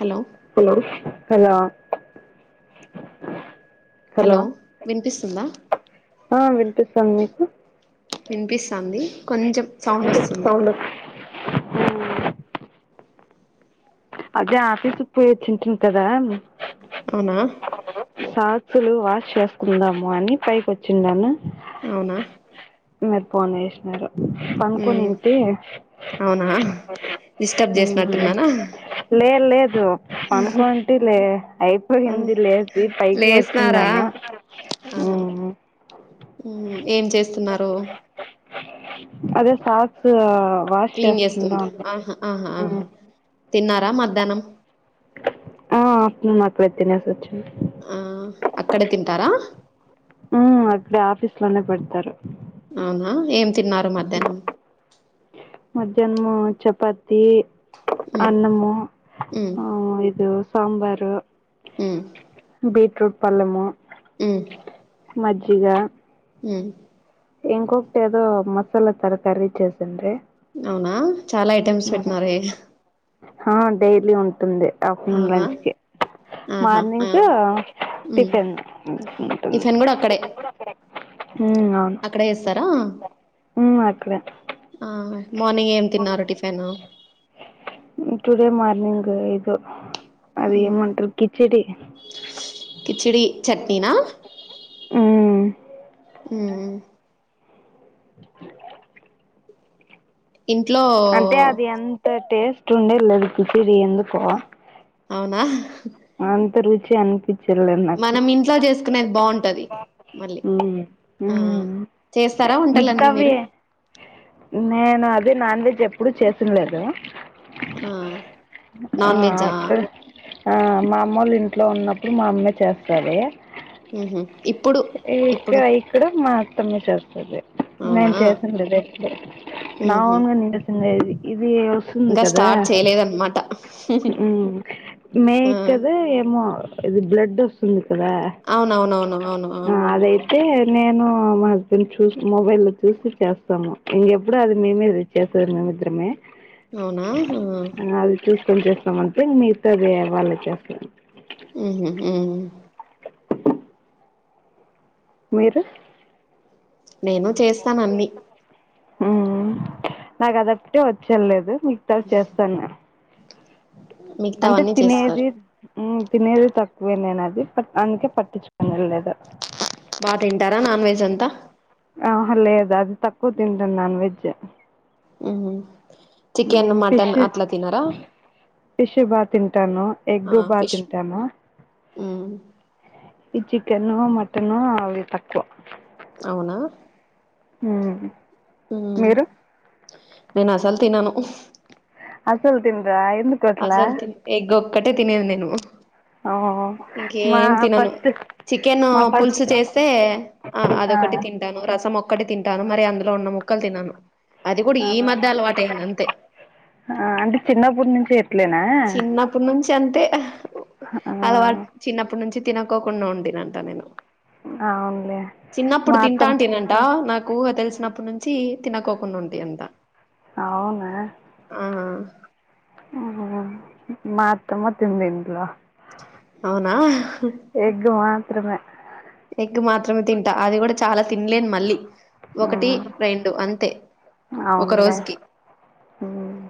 Hello hello hello hello వినిపిస్తుందా? ఆ వినిపిస్తాను మీకు? వినిపిస్తంది కొంచెం సౌండ్ వస్తుంది. అ అదే ఆఫీసు పోయి వచ్చింటుంది కదా అవునా అసలు వాష్ చేసుకుందాము అని పైకి వచ్చిందాన్న అవునా మీరు ఫోన్ చేసినారు పన్కో మ్మ్ నింటి అవునా డిస్టర్బ్ మ్ చేసినట్టున్నానా లే లేదు పనుకుంటే లే ఆ అయిపోయింది లేదు పైకి వచ్చింది. లేసినారా ధన్నమా మ్మ్ ఉ ఏం చేస్తున్నారు? అదే సాక్స్ వాష్ క్లీన్ చేసుకుంట చేసుకుందాం అన్న ఆహా ఆహా ఆహ మ్మ్. తిన్నారా మధ్యాహ్నం? ఆ అను మకుళ తినేసి వచ్చినాడు ఆ అక్కడే తింటారా? ఉ అక్కడే ఆఫీస్ లోనే పెడతారు. అవునా ఏం తిన్నారు మధ్యాహ్నం? మధ్యాహ్నం చపాతి మ్మ్ అన్నము మ్మ్ ఆ ఇదో సాంబారు అ బీట్రూట్ పల్లము అ మజ్జిగా అ ఇంకొకటి ఏదో మసాలా కరీ చేసాండ్రి అవునా చాలా ఐటమ్స్ పెట్టినారే ఆ డైలీ ఉంటుంది ఆఫ్టర్నూన్ అవునా లంచ్ కి ఆహా ఆ మార్నింగ్ కు మ్మ్ టిఫిన్ంటుంది టిఫిన్ కూడా అక్కడే అక్కడే వేస్తారా? ఉ అక్కడే ఆ మార్నింగ్ ఏం తిన్నారు టిఫిన్? లేదు అది ఏమంటరు కిచడి కిచిడి చట్నీనా ఊ హ ఇంట్లో అంటే అది ఎంత టేస్ట్ ఉండేది లేదు పచిది ఎందుకో అవునా అంత రుచి అనిపి మనం ఇంట్లో చేసుకునేది బావుంటది. మళ్ళీ ఉమ్ ఆ ఉమ్ చేస్తారా వంటలన్నీ మిగతావి మీరు? నేను అది నాన్ వెజ్ ఎప్పుడు చేసినలేదు ఆ ఆ నాన్ వెజా? అక్కడ ఆ మా అమ్మ వాళ్ళు ఇంట్లో ఉన్నప్పుడు మా అమ్మే చేస్తాది. ఆహ ఏ ఇక్క ఇక్కడు మా మొత్తమే చేస్తుంది అవునా నేను చేసిందిదే ఉహు నాన్గా నిలిసిందేది. అది వస్తుంది ఇంకా కదా స్టార్ట్ చేయలేదన్నమాట మే ఆ కదా ఏమో ఇది బ్లడ్ వస్తుంది కదా అవునవునవును అవును ఆ అదైతే నేను మా హస్బెండ్ చూ మొబైల్ చూసి చేస్తాము ఇంకెప్పుడు అది మేమే ఇచ్చసారు నేను సముద్రమే అవునా ఆ ఎం చేస్తామంటే మిగతాది వాళ్ళ చేస్తా మ్మ్మ్ మీరు నేను చేస్తాను అన్ని మ్ నాకదొకటి వచ్చేలేదు మిగతావి చేస్తా నేను అంటే మిగతావన్నీ చేస్తారు తినేది తినేది తక్కువే నేను అది పట్ అందుకే పట్టించుకుని తినలేదు బా తింటారా నాన్ వెజ్ అంతా ఆహా లేదు అది తక్కువ తింటను నాన్ వెజ్ ఉహు చికెన్ మ్మ్ ఫిష్ మటన్ అట్లా తినారా ఫిష్ బా తింటాను ఎగ్ బాగా తింటాను మ్మ్ ఈ చికెను మటను అవి తక్కువ అవునా మ్మ్ మ్ నేను అసలు తినను అసలు తినరా ఎందుకట్లా ఒకటే తినేది నేను ఓ మా ఇంకేం తినను ఫస్ట్ చికెన్ మా పులుసు ఫస్ట్ చేస్తే ఆ అదొకటి తింటాను రసం ఒక ఒకక్కటి తింటాను మరి అందులో ఉన్న ముక్కలు తినను అది కూడా ఆ ఈ మధ్య అలవాటు అయింది అంతే ఆ అంటే చిన్నప్పటి నుంచి ఇట్లేనా చిన్నప్పుటి నుంచి అంటే ఆ అలవాటు చిన్నప్పటి నుంచి తినకకండి నోడ్దిన అంత నేను అవునులే మా చిన్నప్పుడు అత్తమ్మ తింటాంటేనంట నాకు తెలిసినప్పుడునుంచి తినకోకుండా ఉండి అంత అవునా మ్మ్ మా అత్తమ్మ తిందు ఇంట్లో అవునా ఎగ్ మాత్రమే ఎగ్ మాత్రమే తింటా అది కూడా చాలా తినలేను మళ్ళీ ఒకటి ఉమ్, రెండు అంతే ఒక రోజుకి మ్మ్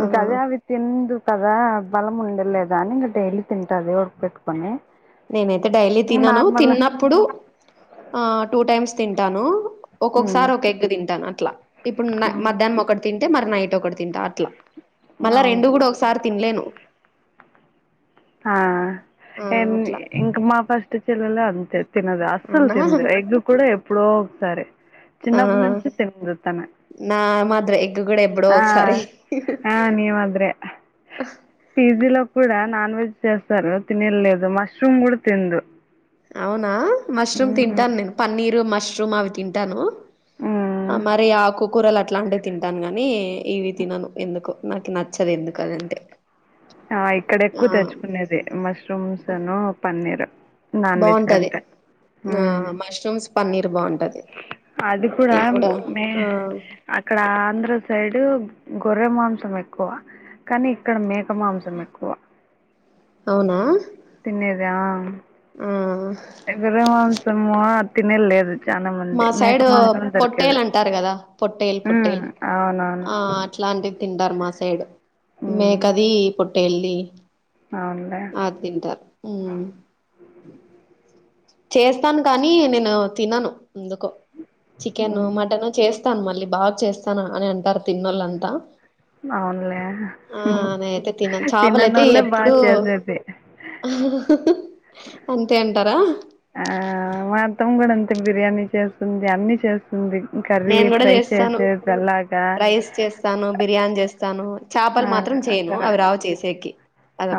ఆ ఇంకా అదే అవి తిందు కదా బలం ఉండలేదా కానీ డైలీ తింటా దేవుడికి పెట్టుకొని నేనైతే డైలీ తినను తిన్నప్పుడు ఆ టూ టైమ్స్ తింటాను ఉమ్ ఒక్కొక్కసారి ఒక ఎగ్ తింటాను అట్లా ఇప్పుడు మధ్యాహ్నం ఒకటి తింటే మరి నైట్ ఒకటి తింటా ఆ మళ్ళా రెండు అవునులే కూడా ఒకసారి తినలేను ఆ ఆ ఏందీ అట్లా ఇంకా మా ఫస్ట్ ల అంతే తినదు అస్సలు అవునా తిదు ఎగ్ కూడా ఎప్పుడో ఒకసారి ఆ చిన్నప్పటి నుంచి తిందు నా మాత్ర ఎగ్ కూడా ఎప్పుడో ఆ ఒకసారి ఆ నివద్రే పిజిలో కూడా నాన్ వెజ్ చేస్తారు తినేలేదు మష్రూమ్ కూడా తినడు. అవునా మష్రూమ్ తింటాను నేను పన్నీర్ మష్రూమ్ అవి తింటాను. అ మరి ఉ ఆకుకురాలా అట్లాంటివి తింటాను గాని ఇవి తినను ఎందుకు నాకు నచ్చదు ఎందుకు అదంటే ఆ ఇక్కడ ఆ ఎక్కువ తెచ్చుకునేది మష్రూమ్స్ను పన్నీర్ నాన్ వెజ్ బాగుంటది కంటే ఆ మ్మ్ మష్రూమ్స్ పన్నీర్ బావుంటది. అది కూడా మే అక్కడ ఆంధ్ర సైడ్ గొర్రె మాంసం ఎక్కువ. కానీ ఇక్కడ మేక మాంసం ఎక్కువ. అవునా తినేద ఆ ఎ గొర్రె మాంసం తినేలేదు మా సైడ్ పొట్టేలు అంటారు కదా పొట్టేలు మ్మ్ పొట్టేలు అవునవును ఆ అట్లా ఇలాంటివి తింటారు మా సైడ్ మ్మ్ మేకది పో ట్టేలిది అవునులే ఆ తింటారు ఉమ్ చేస్తాను కానీ నేను తినను ఎందుకు చికెన్ మ్మ్ మటన్ చే స్తాను మళ్ళీ బాగా చేస్తాను అని అంటారు తిన్నోళ్ళంతా అవునులే ఆ నేను అయితే తినను చేపలైతే తిననోళ్ళే బాగా ఎప్పుడు చేసేది అహ్హ్ అంతే అం ఆ మా అత్తమ్మ కూడా అంతే బిర్యానీ చేస్తుంది అన్ని చే ఉంది కర్రీ నేను కూడా ఫ్రై చేస్తాను చేసేది ఎల్లాగా చాపలు మాత్రం చేయను అవి రావు చేసేకి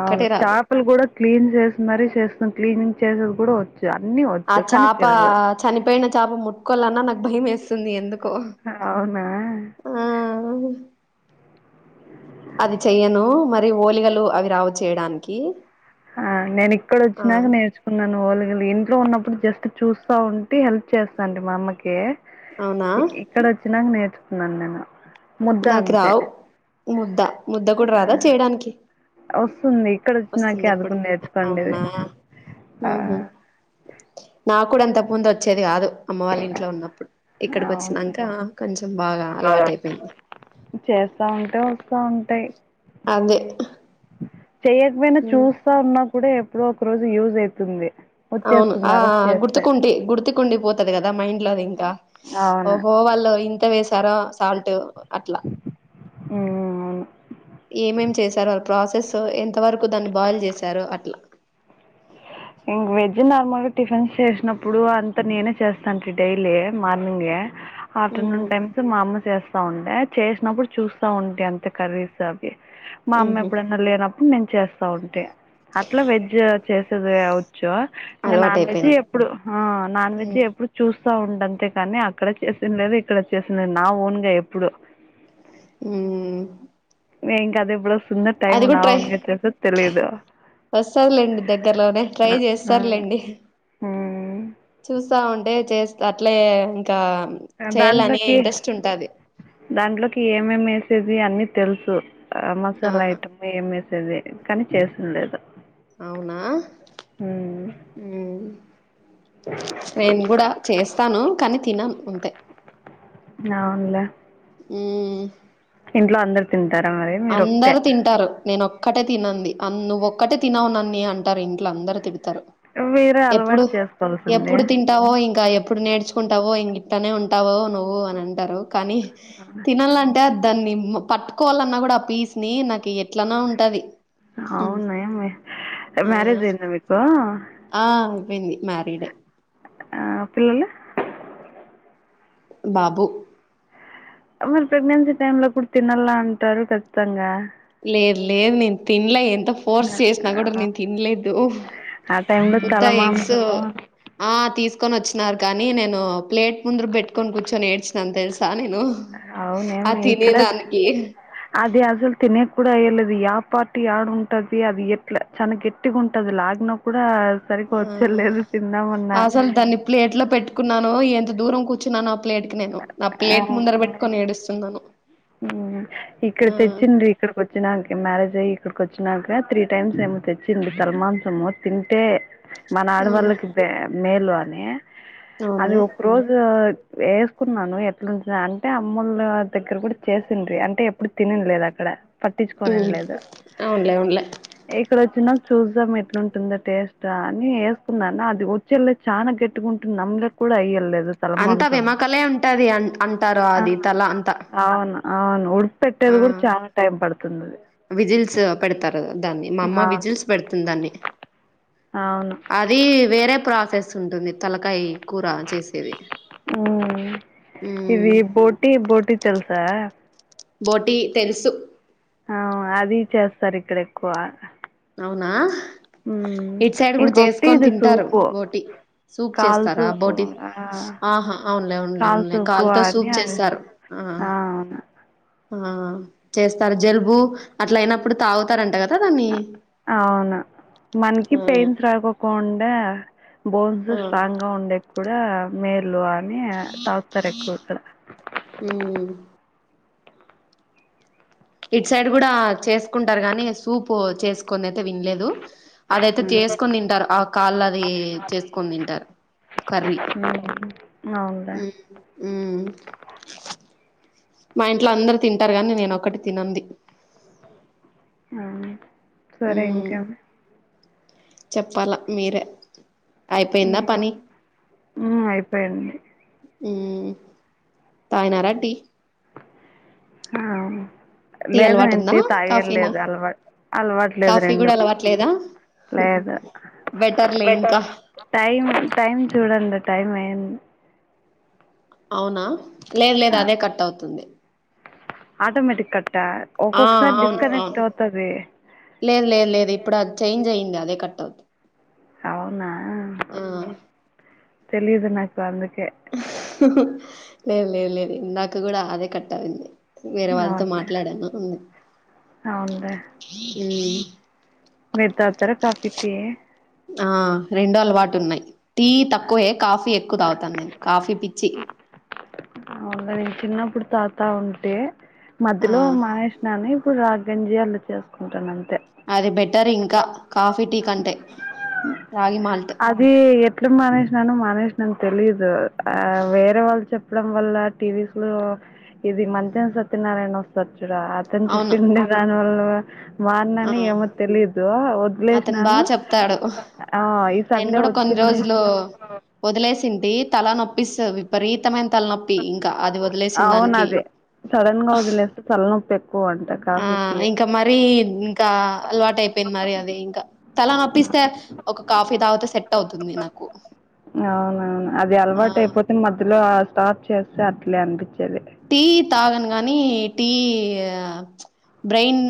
అవును రాదు చేపలు కూడా క్లీన్ చేసి మరి చేస్తాం క్లీనింగ్ చేసేది కూడా వచ్చు అన్నీ ఆ వచ్చు కానీ చేప తినదు చనిపోయిన చేప ముట్టుకోవాలన్నా నాకు భయం వేస్తుంది ఎందుకు అవునా కు ఆ అది చెయ్యను మరి ఓలిగలు అవి రావు చేయడానికి ఆ నేను ఇక్కడ ఆ వచ్చినాక నేర్చుకున్నాను ఓలిగులు ఇం ట్లో ఉన్నప్పుడు జస్ట్ చూస్తా ఉంటే హెల్ప్ చేస్తాండి మా అమ్మకి. అవునా ఇక్కడ వచ్చినాక నేర్చుకున్నాను నేను ముద్ద నాకు అంతే రావు ముద్ద ముద్ద కూడా రాదా ఆ చేయడానికి వస్తుంది ఇక్కడొచ్చినాకే వస్తుంది అది ఇప్పుడు కూడా నేర్చుకోండిది. అవునా ఆ! ఉహు నాకు కూడా ఇంతకు ముందు వచ్చేది కాదు. అమ్మ వాళ్ళ ఇంట్లో ఉన్నప్పుడు ఇక్కడికి అవును. వచ్చినాక కొంచెం బాగా అలవా టై చేస్తా ఉంటేయి వస్తా ఉంటాయి అదే చెయ్యకపోయినా చూస్తా ఉన్నా కూడా ఎప్పుడో ఒక రోజు యూజ్ అయితుంది. అవును వచ్చేస్తుంది ఆ రోజు చేస్తే. గుర్తుకుంటే గుర్తుకుండి పోతది కదా దా మైండ్ లోది ఇంకా అవును. ఓహో వాళ్ళు ఇంత వెసార సాల్ట్ అట్లా ఆహ అవును ఏమేం చేశారు వాళ్ళ ప్రాసెస్ ఎంత వరకు దాన్ని బాయిల్ చేశారు అట్లా ఇంగ వెజ్ నార్మల్గా టిఫిన్స్ చేసినప్పుడు అంత నేనే చేస్తాను డైలీ మార్నింగే ఆఫ్టర్నూన్ టైమ్స్ మా అమ్మ చేస్త స్తా ఉండే చేసినప్పుడు చూస్తా ఉంటే అంత కర్రీస్ అవి మా అమ్మ ఉహు ఎప్పుడన్నా లేనప్పుడు నేను చేస్తా ఉంటే అట్లా వెజ్ చేసేది అ జొ ఇంక అలవాటు నాన్ వెజ్ అయిపోయింది ఎప్పుడు ఆ నాన్ ఉ వేజ్ ఎప్పుడూ చూ స ఉండంతే కాని అక్కడ చేసింది లేదు ఇక్కడ చేసింది లేదు నా ఓన్ గా ఎప్పుడు ఉ ని ఇంకా అది ఇప్పుడు వస్తుందో టైం నా ఓన్ గా చేస్తే తెలిదు వస్తది లేండి దగ్గర్లోనే ట్రై చేస్తార్లేండి చూస్తా ఉంటే చేస్త అట్లే ఇంకా చేయాలనే దాంట్లోకి ఇంట్రెస్ట్ ఉంటది దాంట్లోకి ఏమేం వేసేది అన్ని తెలుసు ఆ మసాలా ఆహా ఐటమ్ ఏమేసేది కానీ చేసింది లేదు అవునా మ్మ్ మ్మ్ నేను కూడా చేస్తాను కానీ తినను అంతే అవునులే మ్మ్ ఇంట్ అందరు తిడి అందరు తింటారు నేను ఓ ఒక్కటే తినంది ఆన్ నువ్వు ఒక్కటే తినవు మమ్మీ అంటారు ఇంట్లో అందరు తి తిడతారు మీరే ఎప్పుడు అలవాటు చేసుకోవాల్సింది ఎప్పుడు తింటావో ఇంకా ఎప్పుడు నేర్చుకుంటావో ఇంగిట్టనే ఉంటావో నువ్వు అని అంటారు కానీ తినాలంటే దాన్ని పట్టుకోవాలన్నా కూడా ఆ పీస్ ని నాకి ఎ ఎట్లానో ఉంటది అవునేమి ఆ మ్యారేజ్ అయిదా మీకు అయింది మారీడ్ ఏ ఆ పిల్లలు బాబు ఆ మీరు ప్రెగ్నెన్సీ టైమ్ లో ఫుడ్ తినాలా అంటారు కచ్చితంగా లేదు లేదు నేను తినలే ఎంత ఫోర్స్ చేసినా కూడా ఆ నేను తినలేదు ఆ టైంలో తల ఉత్తా ఎగ్స్ మాంసము ఆ తీసుకొని వచ్చినారు కానీ నేను ప్లేట్ ముందురు పెట్టుకని కూర్చొని ఏడ్చినా తెలుసా నేన్ అవును ఏమి ఇక్కడ అది అసలు తినే కూడా వయలేదు ఆ పార్టీ ఆడుంటది అది ఎట్లా చన ఎట్టిగా ఉంటది లాగన కూడా సరిగ్గా మ్మ్ వచ్చలేదు తిందామన్నా అసలు దాన్ని ప్లేట్లా పెట్టుకున్నా ఎంత దూరం కూర్చునానో ఆ ప్లేట్ కి నేను నా ఆ ప్లేట్ ముందర పెట్టుకొని ఏడుస్తున్నాను హ్మ్. ఇక్కడ ఆ తెచ్చింది ఇక్కడికి వచ్చినాకే మ్యారేజ్ అయ్య ఇక్కడికి వచ్చినాక త్రీ టైమ్స్ ఏమో తెచ్చింది తల మాంసము తింటే మన ఉమ్ ఆడవాళ్ళకి మే మేలు అని అవునా అది ఒక రోజు వేసుకున్నాను ఎట్లుంటదా అంటే అమ్మలు దగ్గర కూడా చేసింది అం అే ఎప్పుడు తినిది లేదు అక్కడ పట్టించుకోని ఉమ్ లేదు అవునులే అవునులే ఇక్కడ వచ్చిన చూద్దాం ఎట్లాంటుందా టేస్ట్ అని వేసుకున్నా అది వచ్చేళ్లే చానా గట్టిగా ఉంటుంది నమ్లే కూడా అయ్యలేదు తల అంతా మాంసం వెమకలే ఉంటది అం అంటారు ఆ అది తల అంతా అవును అవును ఉడిపి పెట్టేది ఆ కూడా చాలా టైం పడుతుంది విజిల్స్ పెడతారు మా అమ్మ అవును విజిల్స్ పెడుతుందాన్ని అవును అది వేరే ప్ర స్ట్రెస్ ఉంటుంది తలకాయి ఉ ఉమ్ ఇది బోటిి బోటి తెల్సా బోటి తెలుసు అ అది చేస్తారు ఇక్కడ ఎక్కువ అవునా ఉ ఇటు సైడ్ కూడా చేసుకొని తింటారు బోటి సూప్ కాల్ చేస్తారు ఆ సూపు బోటి ఆ ఆహా అవునులే కాల్ అవునూనులే సూపు కాలుతో అని సూప్ అవి చేస్తారు ఆ ఆ చేస్తారు జలుబు అట్లా అయినప్పుడు తాగుతారంట కదా దాన్ని అవును మనకి ఆ పెయిన్స్ రాగకుండా బోన్స్ ఆ స్ట్రాంగ్ గా ఉండే కూడా మే అని తాగుతారు ఎక్కువ కా ఉమ్ ఇటు సైడ్ కూడా చేసుకుంటారు గాని సూప్ చేసుకునీ అయితే వినలేదు అదయితే చేసుకొని తింటారు ఆ కాళ్ళు అది చేసుకొని తింటారు కర్రీ అవునులే ఉ ఉ మా ఇంట్లో అందరు తింటారు కానీ నేనుొక్కటి తినదీ అవునా సరే ఇంకేం చెప్పాలా మీరే అయిపోయిందా పని ఉ అయిపోయిదీ ఉ తగినరా టీ అ టీ అలవాటు లేదునంటి ఉందా తాగ కాఫీనా లేదు అలవాటు అలవాటులేదు కాఫీ రెండు కూడా అలవాట్లేదా లేదు బెటర్లే ఇంకా టైం టైం చూడండి టైం ఏం అవునా లేదు లేదు అదే కట్ అవుతుంది ఆటోమేటిక్ కట్ ఆ అవును అవును లేదు లేదు లేదు ఇప్పుడు అది చేంజ్ అయింది అదే కట్ ఆవు అవునా ఆ తెలిదు నాకూ అందుకే లేదు లేదు లేదు ఇందాక కూడా అదే కట్ట అయింది వేరే వాళ్ళతో అవునులే మాట్లాడాను ఉ అవునులే మీరు తాగుతారా కాఫీ టీ ఆ రెండో అలవాటు ఉన్నాయి టీ తక్కువే కాఫీ ఎక్కువ తాగు తను నేను కాఫీ పిచ్చి అవునా నేను చిన్నప్పుడు తాగుతా ఉంటే ఆ మధ్యలో మానేసినాను ఇప్పుడు రాగి గంజీలు చేసుకుంటాను అంతే అది బెటర్ ఇంకా కాఫీ టీ కంటే రాగి మాల్ట్ అది ఎట్లు మానేసినాను మానేసినను తెలీదు ఆ వేరే వాళ్ళు చెప్ప చెప్పడం వల్ల టీవీస్ లో ఇది మంచం సత్యనారాయణ వస్తారు రాతారు కదా అతను అవును చెప్పింది దానివల్ల మాన్ ఆ నని అతను వదిలేసినాను బాగా చెప్తాడు ఆ ఇపు నేను కూడా కొన్ని రోజులు వదిలేసి తిడి తల నొప్పిస్త విపరీతమైన తల నొప్పి ఇంకా అది వదిలేసిన అవును దానికి అదే సడన్ గా వదిలేస్తే తలనొప్పి ఎక్కువ అంటా ఆ కాఫీ టీ ఇంకా అదైనా మరీ ఇంకా అలవాటు అయిపోయింది మరి అది ఇంకా తల నొప్పిస్తే ఒక కాఫీ తాగితే సెట్ అవుతుంది నాకు అవునవును అది ఆ అలవాటు అయిపోతే మధ్యలో స్టార్ చేస్తే అట్లే అనిపించేది టీ తాగను గానీ టీ బ్రెయిన్